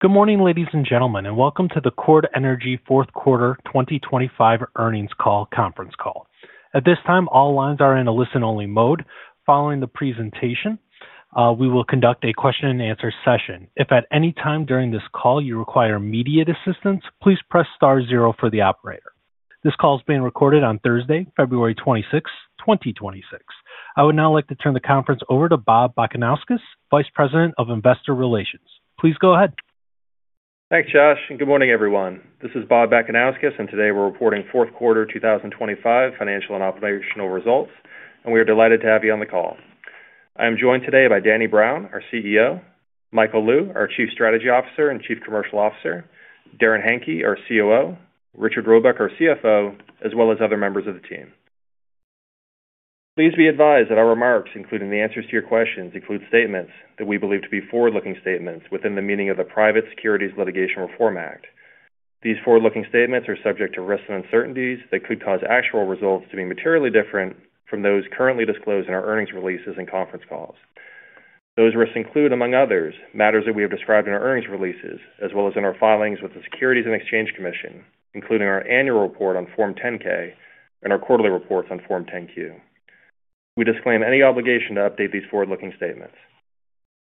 Good morning, ladies and gentlemen, and welcome to the Chord Energy fourth quarter 2025 earnings call conference call. At this time, all lines are in a listen-only mode. Following the presentation, we will conduct a question and answer session. If at any time during this call you require immediate assistance, please press star 0 for the operator. This call is being recorded on Thursday, February 26th, 2026. I would now like to turn the conference over to Bob Bakanauskas, Vice President of Investor Relations. Please go ahead. Thanks, Josh, good morning, everyone. This is Bob Bakanauskas, and today we're reporting fourth quarter 2025 financial and operational results, and we are delighted to have you on the call. I am joined today by Danny Brown, our CEO, Michael Lou, our Chief Strategy Officer and Chief Commercial Officer, Darrin Henke, our COO, Richard Robuck, our CFO, as well as other members of the team. Please be advised that our remarks, including the answers to your questions, include statements that we believe to be forward-looking statements within the meaning of the Private Securities Litigation Reform Act. These forward-looking statements are subject to risks and uncertainties that could cause actual results to be materially different from those currently disclosed in our earnings releases and conference calls. Those risks include, among others, matters that we have described in our earnings releases, as well as in our filings with the Securities and Exchange Commission, including our annual report on Form 10-K and our quarterly reports on Form 10-Q. We disclaim any obligation to update these forward-looking statements.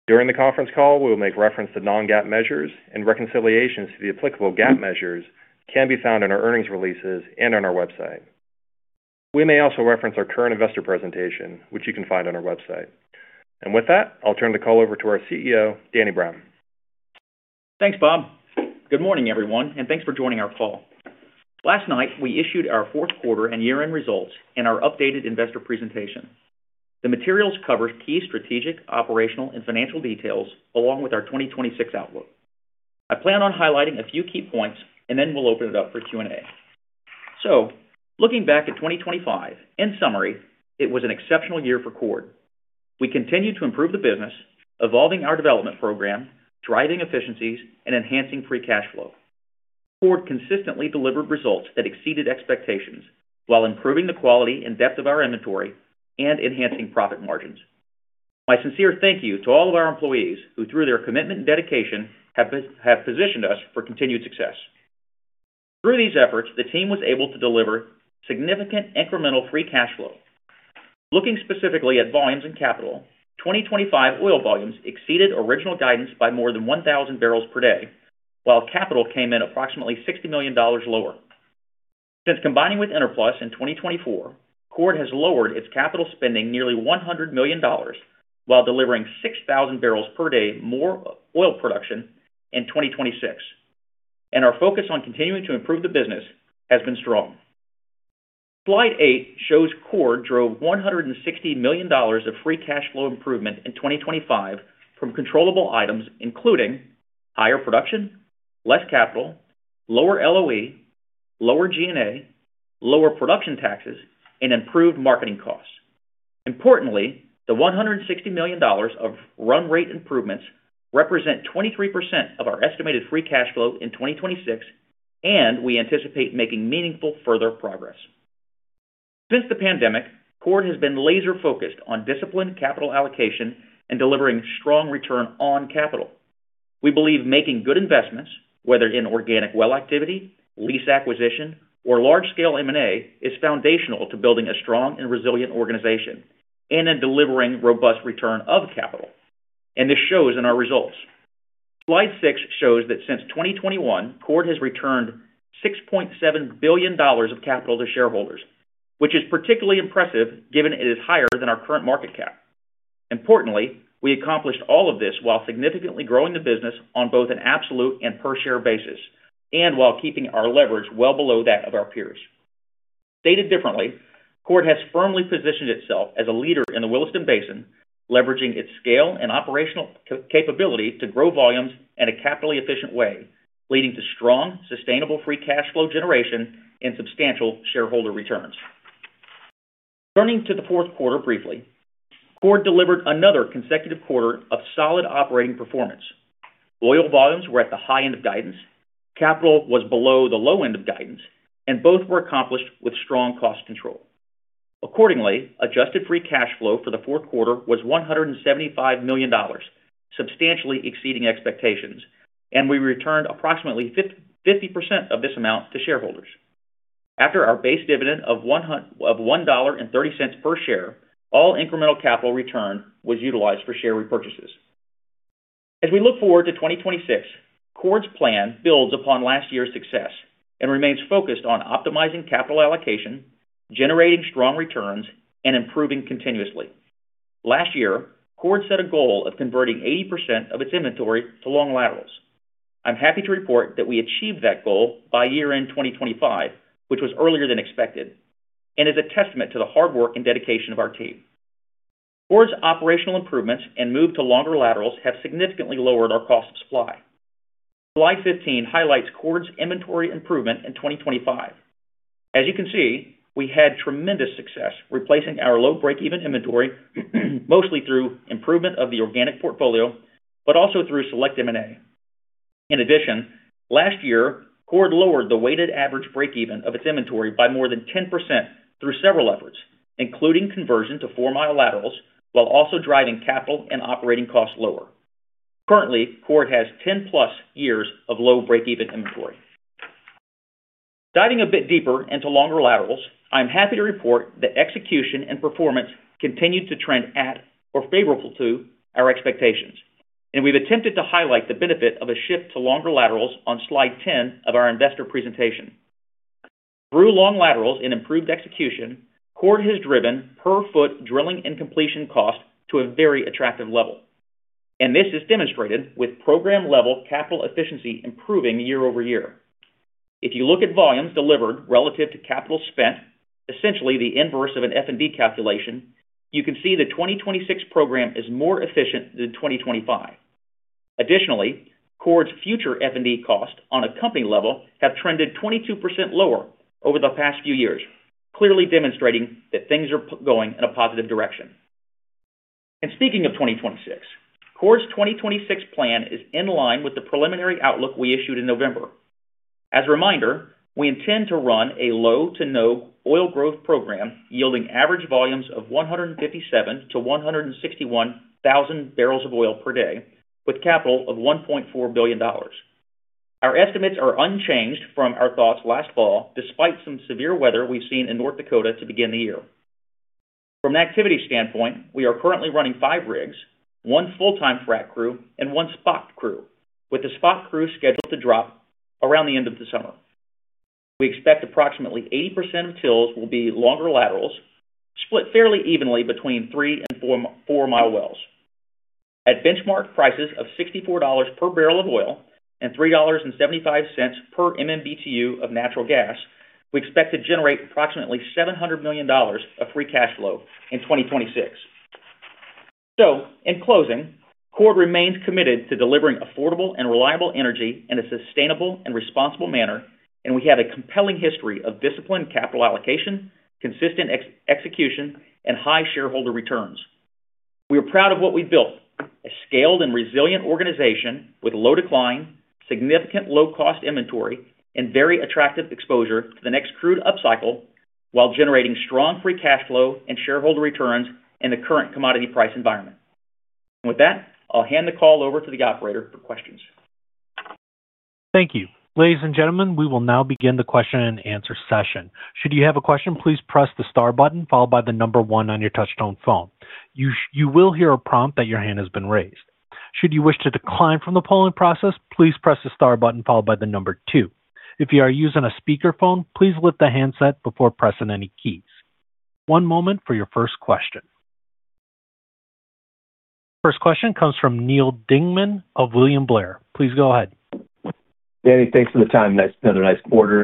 During the conference call, we will make reference to non-GAAP measures and reconciliations to the applicable GAAP measures can be found in our earnings releases and on our website. We may also reference our current investor presentation, which you can find on our website. With that, I'll turn the call over to our CEO, Danny Brown. Thanks, Bob. Good morning, everyone. Thanks for joining our call. Last night, we issued our fourth quarter and year-end results and our updated investor presentation. The materials cover key strategic, operational, and financial details along with our 2026 outlook. I plan on highlighting a few key points. Then we'll open it up for Q&A. Looking back at 2025, in summary, it was an exceptional year for Chord. We continued to improve the business, evolving our development program, driving efficiencies, and enhancing free cash flow. Chord consistently delivered results that exceeded expectations while improving the quality and depth of our inventory and enhancing profit margins. My sincere thank you to all of our employees, who, through their commitment and dedication, have positioned us for continued success. Through these efforts, the team was able to deliver significant incremental free cash flow. Looking specifically at volumes and capital, 2025 oil volumes exceeded original guidance by more than 1,000 barrels per day, while capital came in approximately $60 million lower. Since combining with Enerplus in 2024, Chord has lowered its capital spending nearly $100 million while delivering 6,000 barrels per day more oil production in 2026, and our focus on continuing to improve the business has been strong. Slide eight shows Chord drove $160 million of free cash flow improvement in 2025 from controllable items, including higher production, less capital, lower LOE, lower G&A, lower production taxes, and improved marketing costs. Importantly, the $160 million of run rate improvements represent 23% of our estimated free cash flow in 2026, and we anticipate making meaningful further progress. Since the pandemic, Chord has been laser-focused on disciplined capital allocation and delivering strong return on capital. We believe making good investments, whether in organic well activity, lease acquisition, or large-scale M&A, is foundational to building a strong and resilient organization and in delivering robust return of capital, and this shows in our results. Slide six shows that since 2021, Chord has returned $6.7 billion of capital to shareholders, which is particularly impressive given it is higher than our current market cap. Importantly, we accomplished all of this while significantly growing the business on both an absolute and per-share basis, and while keeping our leverage well below that of our peers. Stated differently, Chord has firmly positioned itself as a leader in the Williston Basin, leveraging its scale and operational capability to grow volumes in a capitally efficient way, leading to strong, sustainable free cash flow generation and substantial shareholder returns. Turning to the fourth quarter briefly, Chord delivered another consecutive quarter of solid operating performance. Oil volumes were at the high end of guidance, capital was below the low end of guidance, and both were accomplished with strong cost control. Accordingly, adjusted free cash flow for the fourth quarter was $175 million, substantially exceeding expectations, and we returned approximately 50% of this amount to shareholders. After our base dividend of $1.30 per share, all incremental capital return was utilized for share repurchases. As we look forward to 2026, Chord's plan builds upon last year's success and remains focused on optimizing capital allocation, generating strong returns, and improving continuously. Last year, Chord set a goal of converting 80% of its inventory to long laterals. I'm happy to report that we achieved that goal by year-end 2025, which was earlier than expected and is a testament to the hard work and dedication of our team. Chord's operational improvements and move to longer laterals have significantly lowered our cost of supply. Slide 15 highlights Chord's inventory improvement in 2025. As you can see, we had tremendous success replacing our low break-even inventory, mostly through improvement of the organic portfolio, but also through select M&A. In addition, last year, Chord lowered the weighted average break-even of its inventory by more than 10% through several efforts. including conversion to four-mile laterals, while also driving capital and operating costs lower. Currently, Chord has 10+ years of low breakeven inventory. Diving a bit deeper into longer laterals, I'm happy to report that execution and performance continued to trend at, or favorable to, our expectations, and we've attempted to highlight the benefit of a shift to longer laterals on slide 10 of our investor presentation. Through long laterals and improved execution, Chord has driven per-foot drilling and completion costs to a very attractive level, and this is demonstrated with program-level capital efficiency improving year-over-year. If you look at volumes delivered relative to capital spent, essentially the inverse of an F&D calculation, you can see the 2026 program is more efficient than 2025. Additionally, Chord's future F&D costs on a company level have trended 22% lower over the past few years, clearly demonstrating that things are going in a positive direction. Speaking of 2026, Chord's 2026 plan is in line with the preliminary outlook we issued in November. As a reminder, we intend to run a low to no oil growth program, yielding average volumes of 157,000-161,000 barrels of oil per day, with capital of $1.4 billion. Our estimates are unchanged from our thoughts last fall, despite some severe weather we've seen in North Dakota to begin the year. From an activity standpoint, we are currently running five rigs, one full-time frack crew, and one spot crew, with the spot crew scheduled to drop around the end of the summer. We expect approximately 80% of tills will be longer laterals, split fairly evenly between three and four mile wells. At benchmark prices of $64 per barrel of oil and $3.75 per MMBtu of natural gas, we expect to generate approximately $700 million of free cash flow in 2026. In closing, Chord remains committed to delivering affordable and reliable energy in a sustainable and responsible manner, and we have a compelling history of disciplined capital allocation, consistent execution, and high shareholder returns. We are proud of what we've built, a scaled and resilient organization with low decline, significant low-cost inventory, and very attractive exposure to the next crude upcycle, while generating strong free cash flow and shareholder returns in the current commodity price environment. With that, I'll hand the call over to the operator for questions. Thank you. Ladies and gentlemen, we will now begin the question-and-answer session. Should you have a question, please press the star button followed by the one on your touchtone phone. You will hear a prompt that your hand has been raised. Should you wish to decline from the polling process, please press the star button followed by the 2. If you are using a speakerphone, please lift the handset before pressing any keys. One moment for your first question. First question comes from Neal Dingmann of William Blair. Please go ahead. Danny, thanks for the time. That's another nice quarter.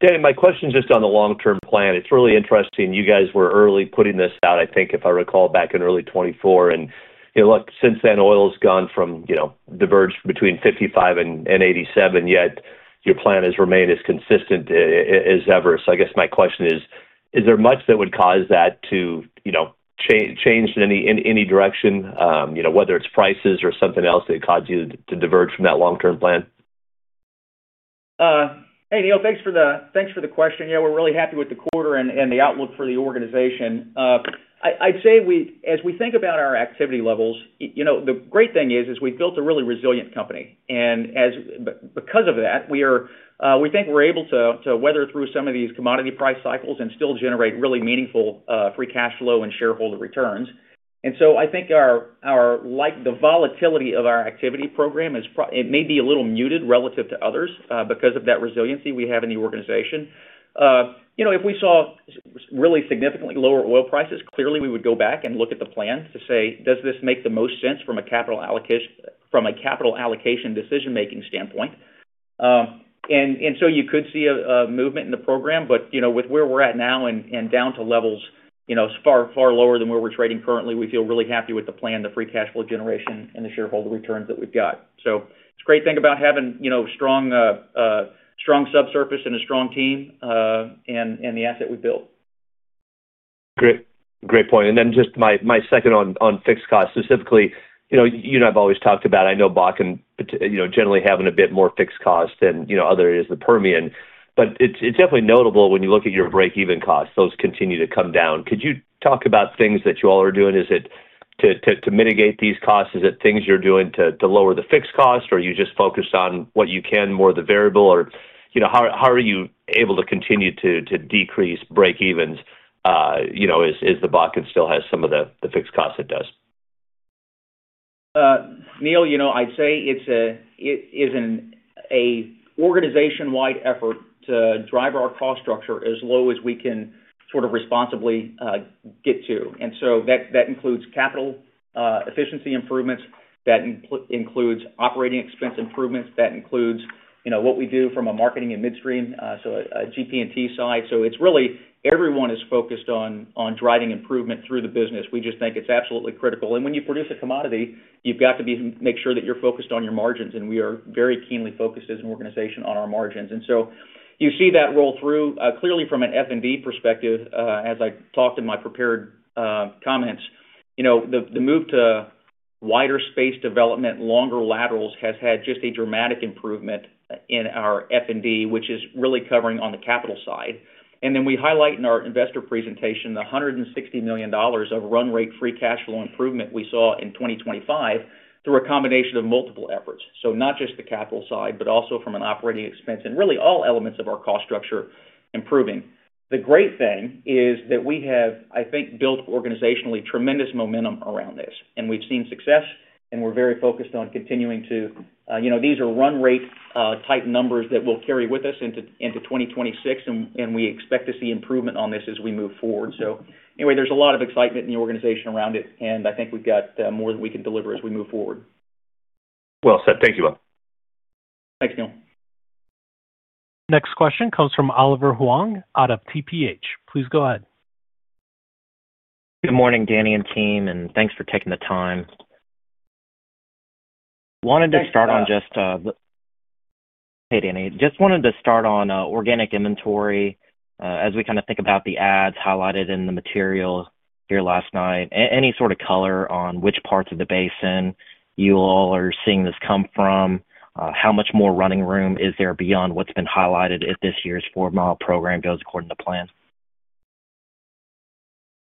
Danny, my question is just on the long-term plan. It's really interesting, you guys were early putting this out, I think, if I recall, back in early 2024, and, you know, look, since then, oil's gone from, you know, diverged between $55 and $87, yet your plan has remained as consistent as ever. I guess my question is there much that would cause that to, you know, change in any, in any direction, you know, whether it's prices or something else, that caused you to diverge from that long-term plan? Hey, Neal, thanks for the question. Yeah, we're really happy with the quarter and the outlook for the organization. I'd say as we think about our activity levels, you know, the great thing is we've built a really resilient company, and because of that, we are, we think we're able to weather through some of these commodity price cycles and still generate really meaningful free cash flow and shareholder returns. I think our, like, the volatility of our activity program it may be a little muted relative to others, because of that resiliency we have in the organization. you know, if we saw really significantly lower oil prices, clearly, we would go back and look at the plan to say, "Does this make the most sense from a capital allocation decision-making standpoint?" You could see a movement in the program, but, you know, with where we're at now and down to levels, you know, far lower than where we're trading currently, we feel really happy with the plan, the free cash flow generation, and the shareholder returns that we've got. It's a great thing about having, you know, strong subsurface and a strong team, and the asset we've built. Great. Great point. Then just my second on fixed costs, specifically, you know, you and I have always talked about, I know Bakken, you know, generally having a bit more fixed cost than, you know, other areas, the Permian. It's definitely notable when you look at your breakeven costs. Those continue to come down. Could you talk about things that you all are doing? Is it to mitigate these costs? Is it things you're doing to lower the fixed cost, or are you just focused on what you can, more the variable? You know, how are you able to continue to decrease breakevens, you know, as the Bakken still has some of the fixed costs it does? Neal, you know, I'd say it's an organization-wide effort to drive our cost structure as low as we can sort of responsibly get to. That includes capital efficiency improvements. That includes operating expense improvements. That includes, you know, what we do from a marketing and midstream, so a GP&T side. It's really everyone is focused on driving improvement through the business. We just think it's absolutely critical. When you produce a commodity, you've got to make sure that you're focused on your margins, and we are very keenly focused as an organization on our margins. You see that roll through clearly from an F&D perspective, as I talked in my prepared comments. You know, the move. wider space development, longer laterals has had just a dramatic improvement in our F&D, which is really covering on the capital side. We highlight in our investor presentation, the $160 million of run rate free cash flow improvement we saw in 2025 through a combination of multiple efforts. Not just the capital side, but also from an OpEx and really all elements of our cost structure improving. The great thing is that we have, I think, built organizationally tremendous momentum around this, and we've seen success, and we're very focused on continuing to, you know, these are run rate type numbers that we'll carry with us into 2026, and we expect to see improvement on this as we move forward. There's a lot of excitement in the organization around it, and I think we've got more than we can deliver as we move forward. Well said. Thank you, well. Thanks, Neal. Next question comes from Oliver Huang out of TPH&Co.. Please go ahead. Good morning, Danny and team, and thanks for taking the time. Hey, Danny. Just wanted to start on organic inventory. As we kind of think about the ads highlighted in the material here last night, any sort of color on which parts of the basin you all are seeing this come from? How much more running room is there beyond what's been highlighted if this year's 4-mile program goes according to plan?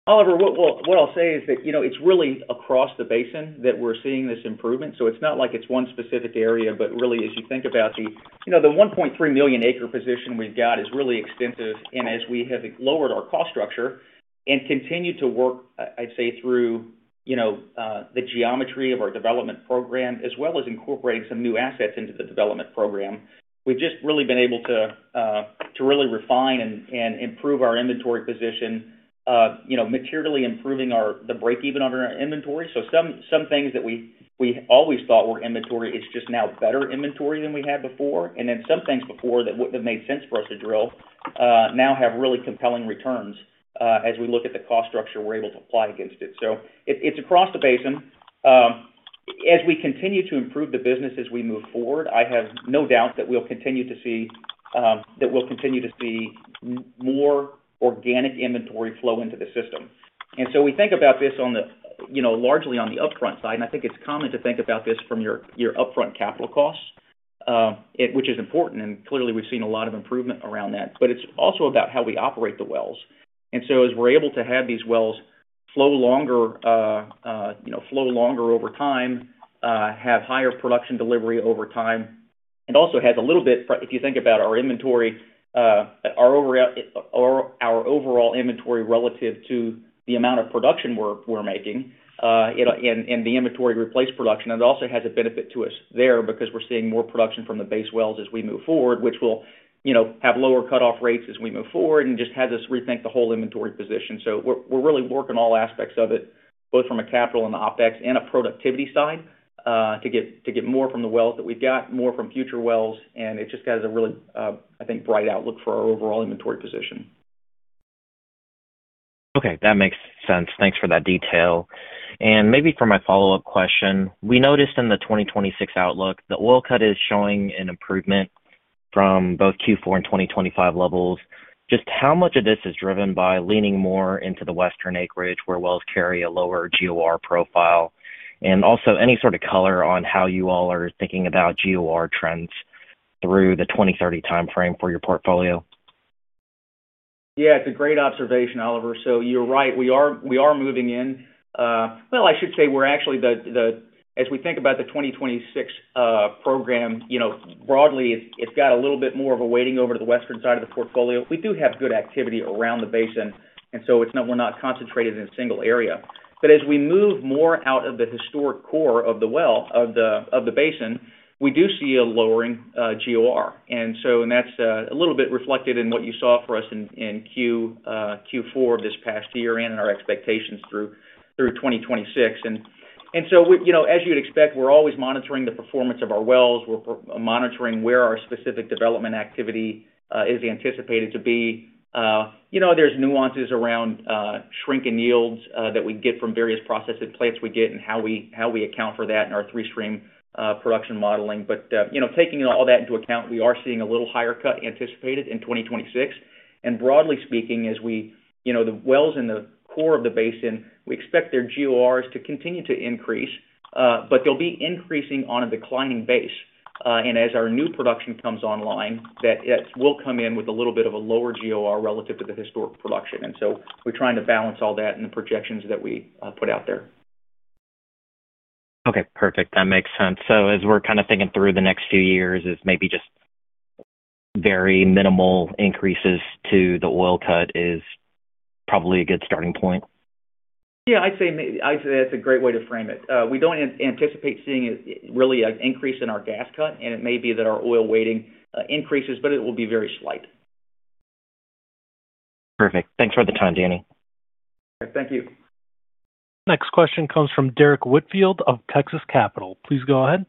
Oliver, what I'll say is that, you know, it's really across the basin that we're seeing this improvement, so it's not like it's one specific area. Really, as you think about the, you know, the 1.3 million acre position we've got is really extensive. As we have lowered our cost structure and continued to work, I'd say, through, you know, the geometry of our development program, as well as incorporating some new assets into the development program, we've just really been able to really refine and improve our inventory position, you know, materially improving the break even on our inventory. Some things that we always thought were inventory, it's just now better inventory than we had before. Some things before that wouldn't have made sense for us to drill, now have really compelling returns, as we look at the cost structure, we're able to apply against it. It's across the basin. As we continue to improve the business as we move forward, I have no doubt that we'll continue to see that we'll continue to see more organic inventory flow into the system. We think about this on the, you know, largely on the upfront side, and I think it's common to think about this from your upfront capital costs, which is important, and clearly we've seen a lot of improvement around that, but it's also about how we operate the wells. As we're able to have these wells flow longer, you know, flow longer over time, have higher production delivery over time, and also has a little bit, if you think about our inventory, our overall inventory relative to the amount of production we're making, and the inventory replace production, it also has a benefit to us there because we're seeing more production from the base wells as we move forward, which will, you know, have lower cut off rates as we move forward and just has us rethink the whole inventory position. We're really working all aspects of it, both from a capital and the OpEx and a productivity side, to get more from the wells that we've got, more from future wells, and it just has a really, I think, bright outlook for our overall inventory position. Okay, that makes sense. Thanks for that detail. Maybe for my follow-up question, we noticed in the 2026 outlook that oil cut is showing an improvement from both Q4 and 2025 levels. Just how much of this is driven by leaning more into the western acreage, where wells carry a lower GOR profile? Also any sort of color on how you all are thinking about GOR trends through the 2030 timeframe for your portfolio? Yeah, it's a great observation, Oliver. You're right, we are moving in. Well, I should say we're actually as we think about the 2026 program, you know, broadly, it's got a little bit more of a weighting over to the western side of the portfolio. We do have good activity around the basin, we're not concentrated in a single area. As we move more out of the historic core of the basin, we do see a lowering GOR. That's a little bit reflected in what you saw for us in Q4 this past year and in our expectations through 2026. We, you know, as you'd expect, we're always monitoring the performance of our wells. We're monitoring where our specific development activity is anticipated to be. You know, there's nuances around shrinking yields that we get from various processes, plates we get, and how we account for that in our three-stream production modeling. You know, taking all that into account, we are seeing a little higher cut anticipated in 2026. Broadly speaking, as we, you know, the wells in the core of the basin, we expect their GORs to continue to increase, but they'll be increasing on a declining base. As our new production comes online, that it will come in with a little bit of a lower GOR relative to the historic production. We're trying to balance all that in the projections that we put out there. Okay, perfect. That makes sense. As we're kind of thinking through the next few years, is maybe just very minimal increases to the oil cut is probably a good starting point? Yeah, I'd say that's a great way to frame it. We don't anticipate seeing it, really, an increase in our gas cut, and it may be that our oil weighting increases, but it will be very slight. Perfect. Thanks for the time, Danny. Thank you. Next question comes from Derrick Whitfield of Texas Capital. Please go ahead.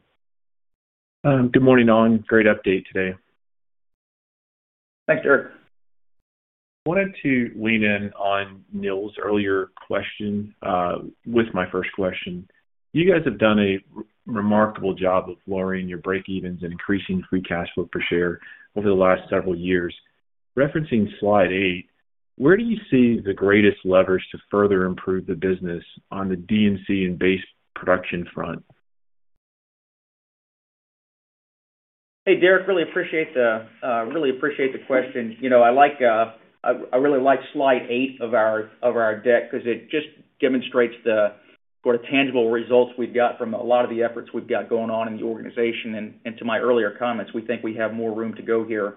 Good morning, all, and great update today. Thanks, Derrick. Wanted to lean in on Neal's earlier question, with my first question. You guys have done a remarkable job of lowering your break evens and increasing free cash flow per share over the last several years. Referencing slide eight, where do you see the greatest leverage to further improve the business on the D&C and base production front? Hey, Derek, really appreciate the question. You know, I like, I really like slide eight of our deck because it just demonstrates the sort of tangible results we've got from a lot of the efforts we've got going on in the organization. To my earlier comments, we think we have more room to go here.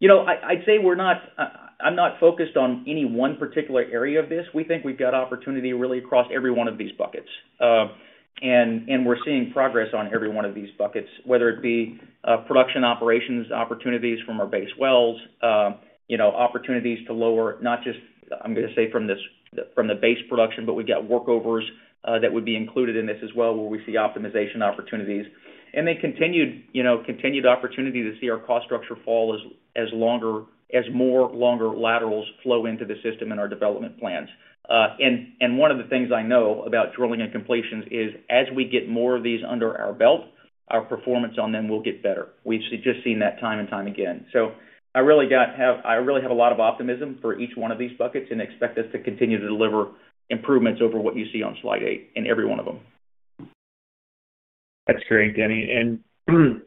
You know, I'd say I'm not focused on any one particular area of this. We think we've got opportunity really across every one of these buckets. And we're seeing progress on every one of these buckets, whether it be production operations, opportunities from our base wells, you know, opportunities to lower, not just I'm gonna say from this, from the base production, but we've got workovers that would be included in this as well, where we see optimization opportunities. Then continued, you know, continued opportunity to see our cost structure fall as longer, as more longer laterals flow into the system and our development plans. One of the things I know about drilling and completions is as we get more of these under our belt, our performance on them will get better. We've just seen that time and time again. I really have a lot of optimism for each one of these buckets and expect us to continue to deliver improvements over what you see on slide eight in every one of them. That's great, Danny.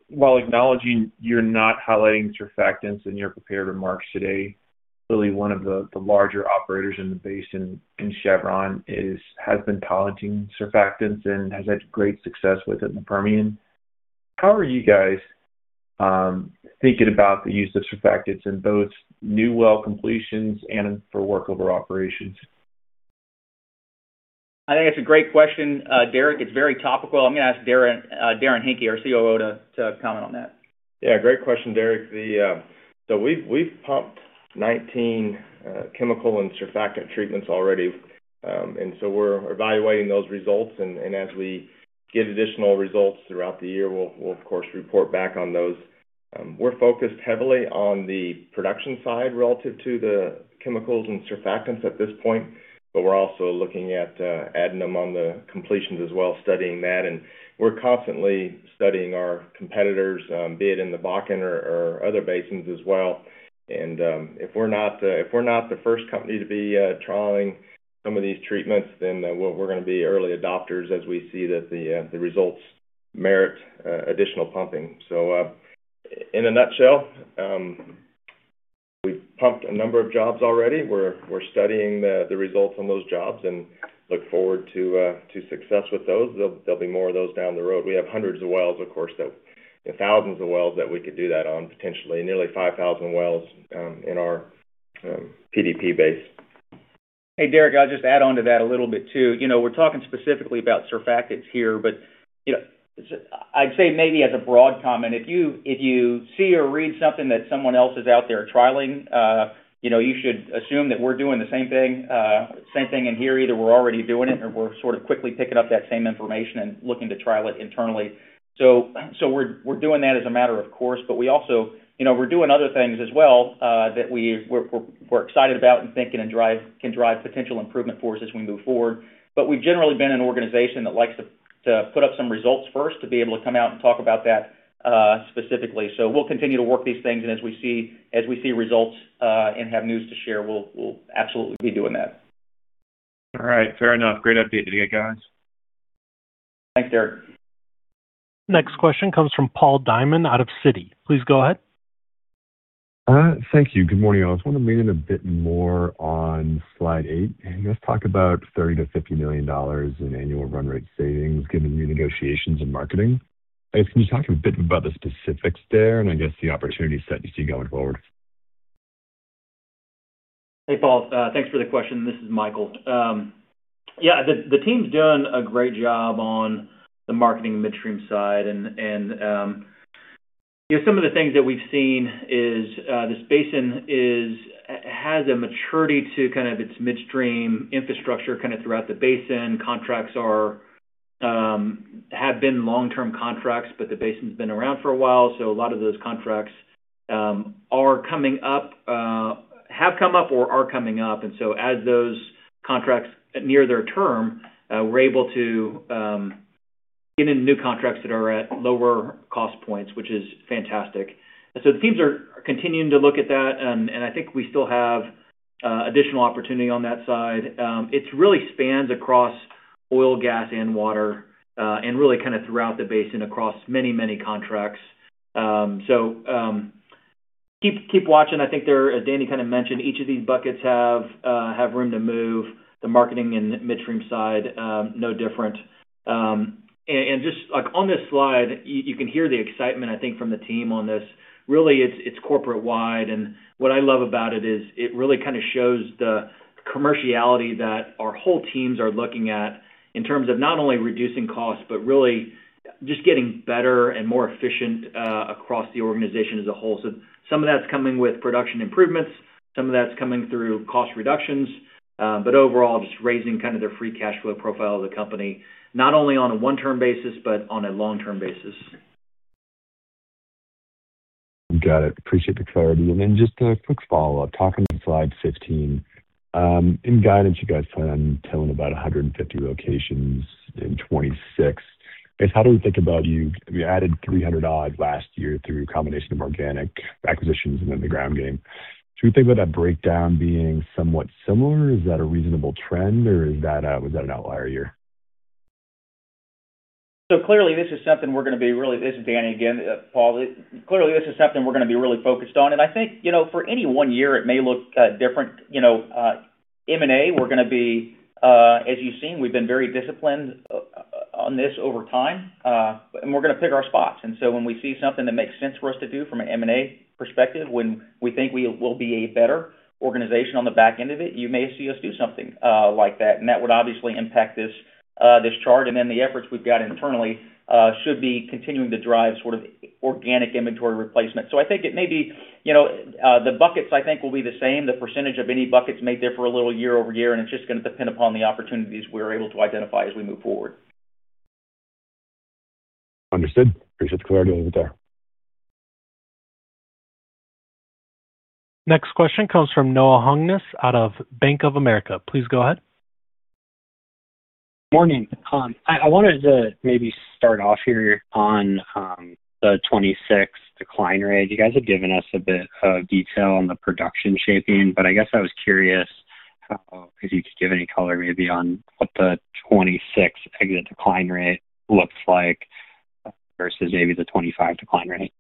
While acknowledging you're not highlighting surfactants in your prepared remarks today, really one of the larger operators in the basin in Chevron has been piloting surfactants and has had great success with it in the Permian. How are you guys thinking about the use of surfactants in both new well completions and for workover operations? I think that's a great question, Derrick. It's very topical. I'm gonna ask Darrin Henke, our COO, to comment on that. Yeah, great question, Derek. We've pumped 19 chemical and surfactant treatments already. We're evaluating those results, and as we get additional results throughout the year, we'll, of course, report back on those. We're focused heavily on the production side relative to the chemicals and surfactants at this point, we're also looking at adding them on the completions as well, studying that. We're constantly studying our competitors, be it in the Bakken or other basins as well. If we're not the first company to be trialing some of these treatments, we're gonna be early adopters as we see that the results merit additional pumping. In a nutshell, we've pumped a number of jobs already. We're studying the results on those jobs and look forward to success with those. There'll be more of those down the road. We have hundreds of wells, of course, thousands of wells that we could do that on, potentially. Nearly 5,000 wells in our PDP base. Hey, Derrick, I'll just add on to that a little bit, too. You know, we're talking specifically about surfactants here, but, you know, I'd say maybe as a broad comment, if you, if you see or read something that someone else is out there trialing, you know, you should assume that we're doing the same thing, same thing in here. Either we're already doing it, or we're sort of quickly picking up that same information and looking to trial it internally. We're doing that as a matter of course, but we also, you know, we're doing other things as well, we're excited about and thinking can drive potential improvement for us as we move forward. We've generally been an organization that likes to put up some results first, to be able to come out and talk about that specifically. We'll continue to work these things, and as we see results and have news to share, we'll absolutely be doing that. All right. Fair enough. Great update to you guys. Thanks, Derrick. Next question comes from Paul Diamond out of Citi. Please go ahead. Thank you. Good morning, all. I just want to lean in a bit more on slide eight. You guys talk about $30 million-$50 million in annual run rate savings given the negotiations in marketing. I guess, can you talk a bit about the specifics there and I guess the opportunity set you see going forward? Hey, Paul. Thanks for the question. This is Michael. Yeah, the team's doing a great job on the marketing and midstream side. You know, some of the things that we've seen is this basin has a maturity to kind of its midstream infrastructure, kind of throughout the basin. Contracts are have been long-term contracts, the basin's been around for a while, a lot of those contracts are coming up, have come up or are coming up. As those contracts near their term, we're able to get into new contracts that are at lower cost points, which is fantastic. The teams are continuing to look at that, and I think we still have additional opportunity on that side. It really spans across oil, gas, and water, and really kind of throughout the basin, across many contracts. Keep watching. I think there, as Danny kind of mentioned, each of these buckets have room to move, the marketing and midstream side, no different. Like, on this slide, you can hear the excitement, I think, from the team on this. Really, it's corporate-wide, and what I love about it is, it really kind of shows the commerciality that our whole teams are looking at in terms of not only reducing costs, but really just getting better and more efficient, across the organization as a whole. Some of that's coming with production improvements, some of that's coming through cost reductions, but overall, just raising kind of the free cash flow profile of the company, not only on a 1-term basis, but on a long-term basis. Got it. Appreciate the clarity. Just a quick follow-up. Talking on slide 15, in guidance, you guys plan on telling about 150 locations in 2026 guys, how do we think about you? You added 300 odds last year through a combination of organic acquisitions and then the ground game. Should we think about that breakdown being somewhat similar? Is that a reasonable trend, or is that was that an outlier year? This is Danny again, Paul. Clearly, this is something we're gonna be really focused on, and I think, you know, for any one year it may look different. You know, M&A, we're gonna be, as you've seen, we've been very disciplined on this over time. We're gonna pick our spots. When we see something that makes sense for us to do from an M&A perspective, when we think we will be a better organization on the back end of it, you may see us do something like that. That would obviously impact this chart. The efforts we've got internally should be continuing to drive sort of organic inventory replacement. I think it may be, you know, the buckets I think, will be the same. The percentage of any buckets may differ a little year-over-year, and it's just gonna depend upon the opportunities we're able to identify as we move forward. Understood. Appreciate the clarity over there. Next question comes from Noah Hungness out of Bank of America. Please go ahead. Morning. I wanted to maybe start off here on the 26 decline rate. You guys have given us a bit of detail on the production shaping, I guess I was curious if you could give any color maybe on what the 26 decline rate looks like versus maybe the 25 decline rate.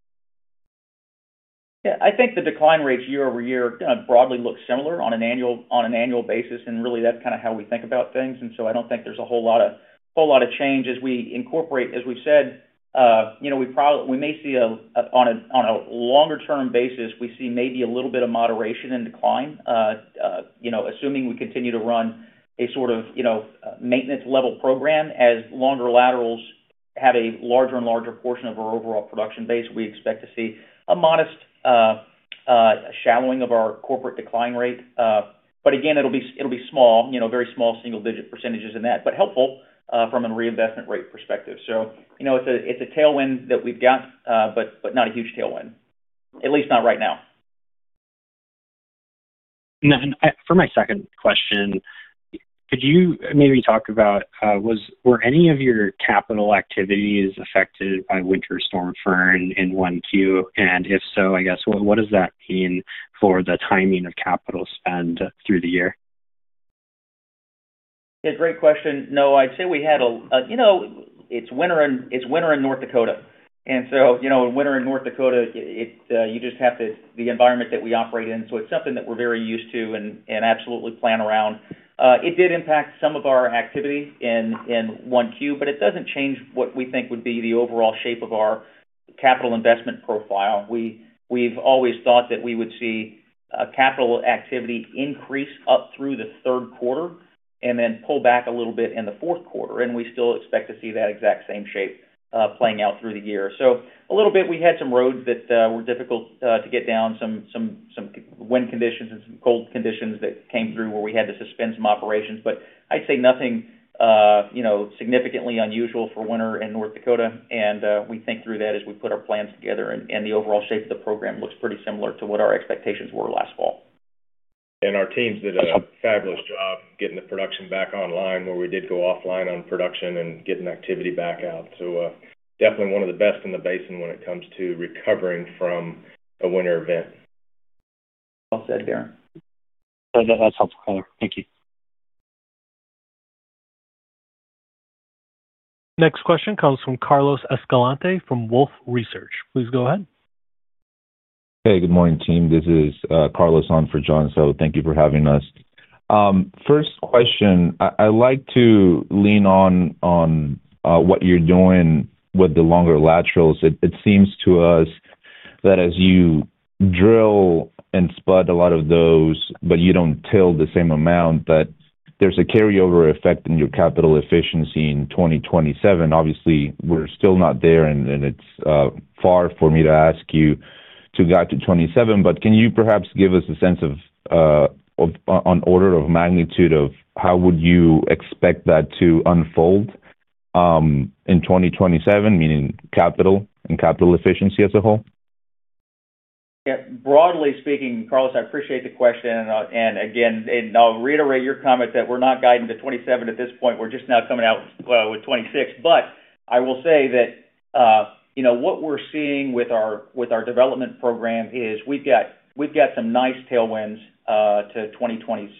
Yeah, I think the decline rates year-over-year, broadly look similar on an annual, on an annual basis. Really, that's kind of how we think about things. So I don't think there's a whole lot of change as we incorporate. As we've said, you know, we may see a, on a longer term basis, we see maybe a little bit of moderation and decline, you know, assuming we continue to run a sort of, you know, maintenance level program. As longer laterals have a larger and larger portion of our overall production base, we expect to see a modest, shallowing of our corporate decline rate. Again, it'll be small, you know, very small single-digit percentages in that, but helpful, from a reinvestment rate perspective. You know, it's a tailwind that we've got, but not a huge tailwind, at least not right now. For my second question, could you maybe talk about, were any of your capital activities affected by Winter Storm Fern in 1Q? If so, I guess, what does that mean for the timing of capital spend through the year? Great question. I'd say we had a, you know, it's winter in, it's winter in North Dakota, you know, in winter in North Dakota, it, you just have to the environment that we operate in. It's something that we're very used to and absolutely plan around. It did impact some of our activity in 1Q, it doesn't change what we think would be the overall shape of our capital investment profile. We've always thought that we would see capital activity increase up through the third quarter and then pull back a little bit in the fourth quarter, we still expect to see that exact same shape playing out through the year. A little bit, we had some roads that were difficult to get down, some wind conditions and some cold conditions that came through where we had to suspend some operations. I'd say nothing, you know, significantly unusual for winter in North Dakota. We think through that as we put our plans together, and the overall shape of the program looks pretty similar to what our expectations were last fall. Our teams did a fabulous job getting the production back online, where we did go offline on production and getting activity back out. Definitely one of the best in the basin when it comes to recovering from a winter event. Well said, Darrin. That's helpful. Thank you. Next question comes from Carlos Escalante, from Wolfe Research. Please go ahead. Hey, good morning, team. This is Carlos, on for John. Thank you for having us. First question, I'd like to lean on what you're doing with the longer laterals. It seems to us that as you drill and spud a lot of those, but you don't till the same amount, that there's a carryover effect in your capital efficiency in 2027. Obviously, we're still not there, and it's far for me to ask you to guide to 2027. Can you perhaps give us a sense of on order of magnitude of how would you expect that to unfold in 2027, meaning capital and capital efficiency as a whole? Yeah, broadly speaking, Carlos, I appreciate the question. Again, I'll reiterate your comment that we're not guiding to 2027 at this point. We're just now coming out with 2026. I will say that, you know, what we're seeing with our, with our development program is we've got some nice tailwinds to 2027.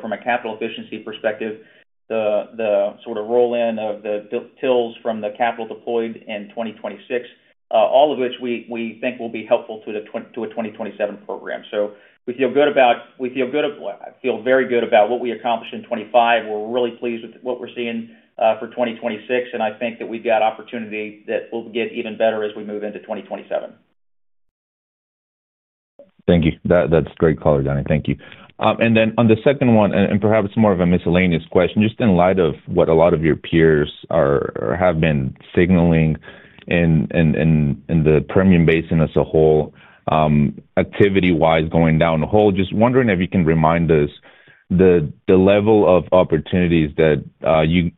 From a capital efficiency perspective, the sort of roll-in of the tills from the capital deployed in 2026, all of which we think will be helpful to a 2027 program. We feel good, feel very good about what we accomplished in 2025. We're really pleased with what we're seeing for 2026, and I think that we've got opportunity that will get even better as we move into 2027. Thank you. That's great color, Danny. Thank you. On the second one, and perhaps more of a miscellaneous question, just in light of what a lot of your peers are or have been signaling in the premier basin as a whole, activity-wise, going down the hole. Just wondering if you can remind us the level of opportunities that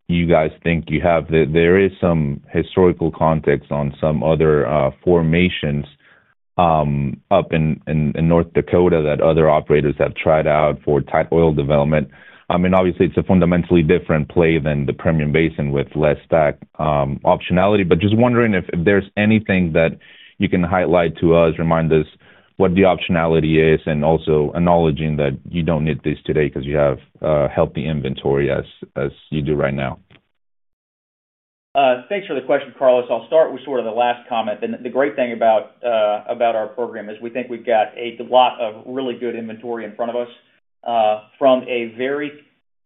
you guys think you have. There is some historical context on some other formations. up in North Dakota that other operators have tried out for tight oil development. I mean, obviously it's a fundamentally different play than the Permian Basin, with less stack optionality. Just wondering if there's anything that you can highlight to us, remind us what the optionality is, and also acknowledging that you don't need this today 'cause you have a healthy inventory as you do right now. Thanks for the question, Carlos. The great thing about our program is we think we've got a lot of really good inventory in front of us from a very,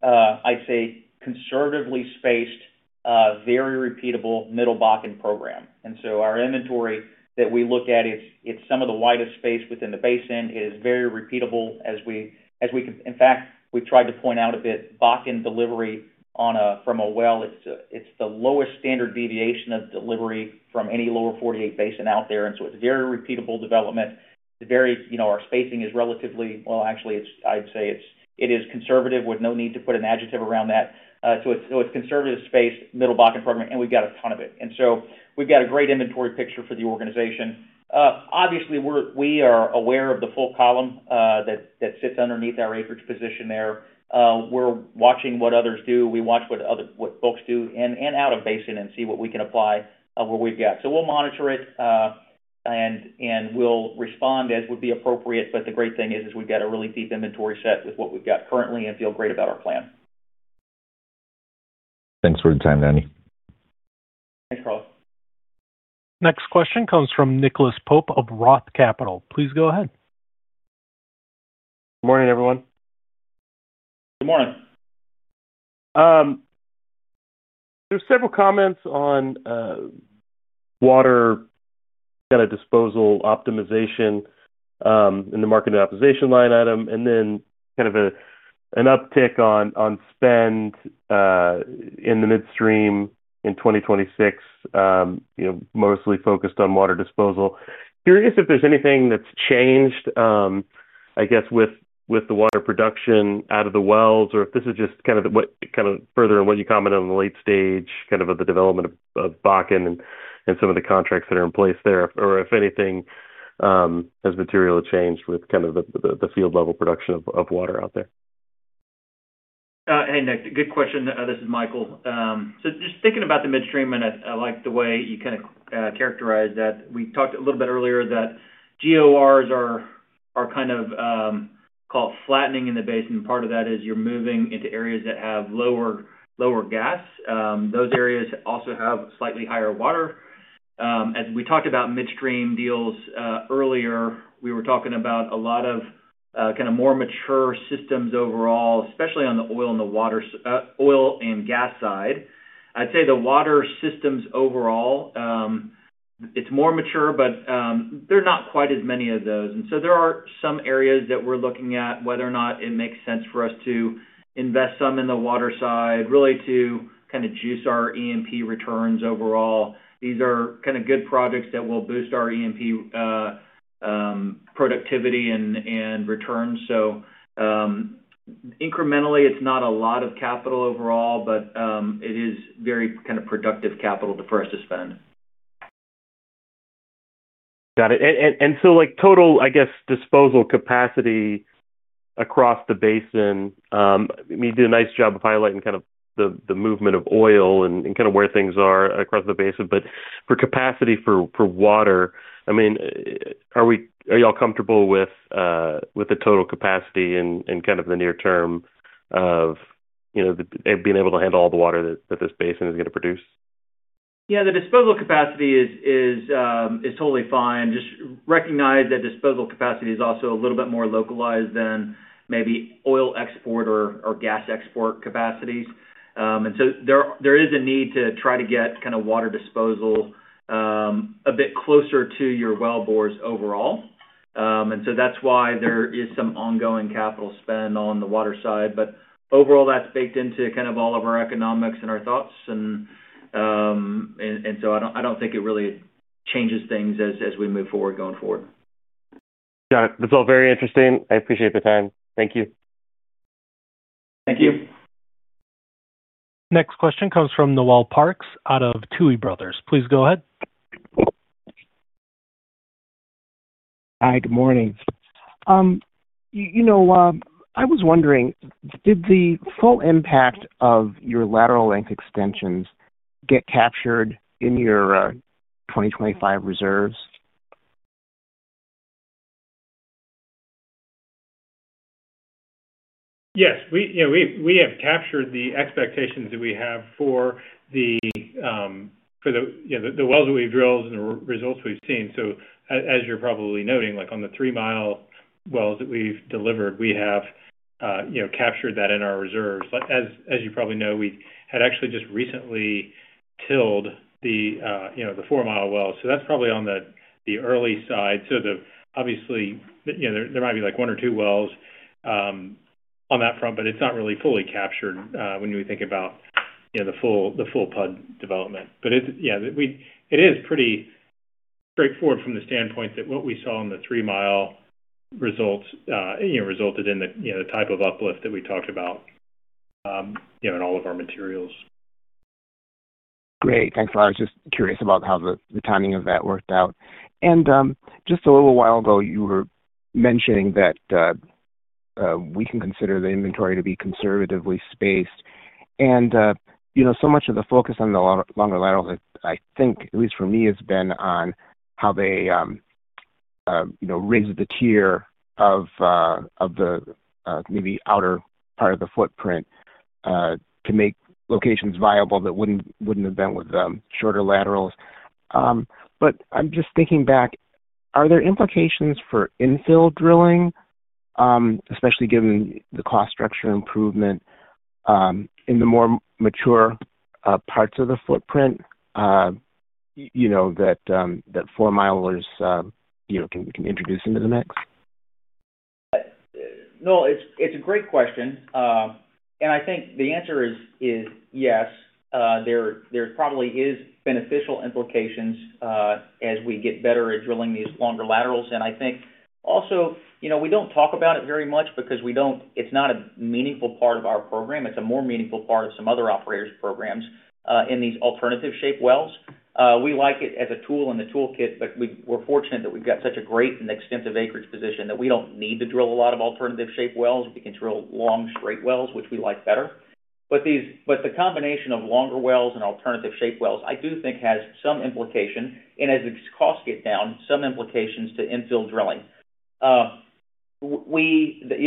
I'd say, conservatively spaced, very repeatable Middle Bakken program. Our inventory that we look at, it's some of the widest space within the basin, is very repeatable as we, in fact, we've tried to point out a bit Bakken delivery on a, from a well, it's the lowest standard deviation of delivery from any lower 48 basin out there. It's very repeatable development. The very, you know, our spacing is relatively. Well, actually, I'd say it's, it is conservative with no need to put an adjective around that. so it's conservative spaced Middle Bakken program, and we've got a ton of it. We've got a great inventory picture for the organization. obviously, we are aware of the full column, that sits underneath our acreage position there. We're watching what others do. We watch what folks do in and out of basin and see what we can apply, what we've got. We'll monitor it, and we'll respond as would be appropriate. The great thing is we've got a really deep inventory set with what we've got currently and feel great about our plan. Thanks for the time, Danny. Thanks, Carlos. Next question comes from Nicholas Pope of Roth Capital. Please go ahead. Good morning, everyone. Good morning. There's several comments on water kind of disposal optimization in the market opposition line item, then kind of a, an uptick on spend in the midstream in 2026, you know, mostly focused on water disposal. Curious if there's anything that's changed, I guess, with the water production out of the wells, or if this is just kind of the kind of further on what you commented on the late stage, kind of the development of Bakken and some of the contracts that are in place there, or if anything has materially changed with kind of the field level production of water out there? Hey, Nick, good question. This is Michael. Just thinking about the midstream, and I like the way you kind of characterized that. We talked a little earlier that GORs are kind of called flattening in the basin. Part of that is you're moving into areas that have lower gas. Those areas also have slightly higher water. As we talked about midstream deals earlier, we were talking about a lot of kind of more mature systems overall, especially on the oil and the water, oil and gas side. I'd say the water systems overall, it's more mature, but there are not quite as many of those. There are some areas that we're looking at, whether or not it makes sense for us to invest some in the water side, really to kind of juice our E&P returns overall. These are kind of good projects that will boost our E&P productivity and returns. Incrementally, it's not a lot of capital overall, but it is very kind of productive capital for us to spend. Got it. Like, total, I guess, disposal capacity across the basin, you did a nice job of highlighting kind of the movement of oil and kind of where things are across the basin. For capacity for water, I mean, are you all comfortable with the total capacity in kind of the near term of being able to handle all the water that this basin is gonna produce? Yeah, the disposal capacity is totally fine. Just recognize that disposal capacity is also a little bit more localized than maybe oil export or gas export capacities. There is a need to try to get kind of water disposal a bit closer to your wellbores overall. That's why there is some ongoing capital spend on the water side. Overall, that's baked into kind of all of our economics and our thoughts, and so I don't think it really changes things as we move forward, going forward. Got it. That's all very interesting. I appreciate the time. Thank you. Thank you. Next question comes from Noel Parks out of Tuohy Brothers. Please go ahead. Hi, good morning. you know, I was wondering, did the full impact of your lateral length extensions get captured in your 2025 reserves? Yes. We, you know, we have captured the expectations that we have for the, for the, you know, the wells that we've drilled and the results we've seen. As you're probably noting, like on the three-mile wells that we've delivered, we have, you know, captured that in our reserves. As you probably know, we had actually just recently tilled the, you know, the four-mile well. That's probably on the early side. Obviously, you know, there might be, like, one or two wells on that front, but it's not really fully captured when we think about, you know, the full PUD development. It's, yeah, it is pretty straightforward from the standpoint that what we saw in the 3-mile results, you know, resulted in the, you know, the type of uplift that we talked about, you know, in all of our materials. Great. Thanks a lot. I was just curious about how the timing of that worked out. Just a little while ago, you were mentioning that we can consider the inventory to be conservatively spaced. You know, so much of the focus on the longer laterals, I think, at least for me, has been on how they, you know, raise the tier of the maybe outer part of the footprint to make locations viable that wouldn't have been with shorter laterals. I'm just thinking back, are there implications for infill drilling, especially given the cost structure improvement in the more mature parts of the footprint, you know, that four milers, you know, can introduce into the mix? No, it's a great question. I think the answer is yes. There probably is beneficial implications as we get better at drilling these longer laterals. I think also, you know, we don't talk about it very much because it's not a meaningful part of our program. It's a more meaningful part of some other operators' programs in these alternative shaped wells. We like it as a tool in the toolkit, but we're fortunate that we've got such a great and extensive acreage position, that we don't need to drill a lot of alternative shaped wells. We can drill long, straight wells, which we like better. The combination of longer wells and alternative shaped wells, I do think has some implication, and as its costs get down, some implications to infill drilling. We. The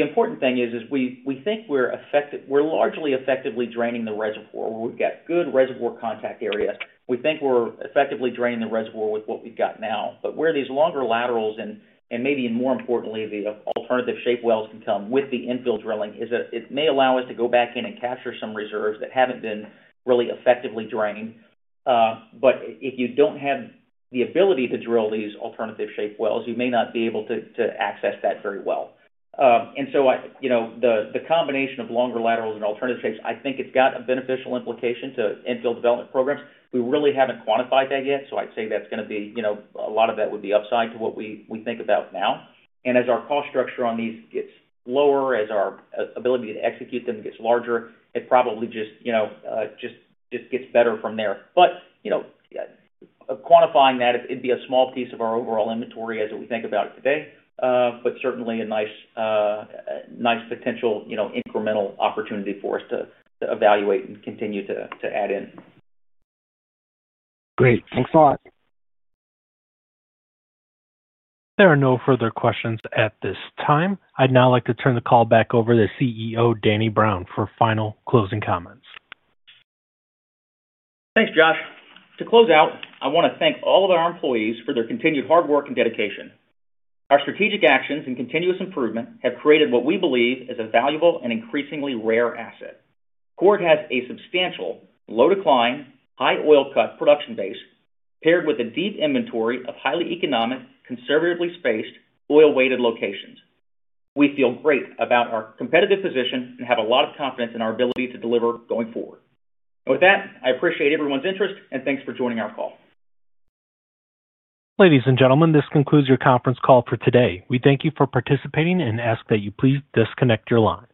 important thing is, we think we're effective. We're largely effectively draining the reservoir. We've got good reservoir contact areas. We think we're effectively draining the reservoir with what we've got now. Where these longer laterals and maybe more importantly, the alternative shaped wells can come with the infill drilling, is that it may allow us to go back in and capture some reserves that haven't been really effectively drained. If you don't have the ability to drill these alternative shaped wells, you may not be able to access that very well. I, you know, the combination of longer laterals and alternative shapes, I think it's got a beneficial implication to infill development programs. We really haven't quantified that yet, so I'd say that's gonna be, you know, a lot of that would be upside to what we think about now. As our cost structure on these gets lower, as our ability to execute them gets larger, it probably just, you know, gets better from there. You know, quantifying that, it'd be a small piece of our overall inventory as we think about it today, but certainly a nice potential, you know, incremental opportunity for us to evaluate and continue to add in. Great. Thanks a lot. There are no further questions at this time. I'd now like to turn the call back over to CEO, Danny Brown, for final closing comments. Thanks, Josh. To close out, I want to thank all of our employees for their continued hard work and dedication. Our strategic actions and continuous improvement have created what we believe is a valuable and increasingly rare asset. Chord has a substantial, low decline, high oil cut production base, paired with a deep inventory of highly economic, conservatively spaced, oil-weighted locations. We feel great about our competitive position and have a lot of confidence in our ability to deliver going forward. With that, I appreciate everyone's interest, and thanks for joining our call. Ladies and gentlemen, this concludes your conference call for today. We thank you for participating and ask that you please disconnect your line.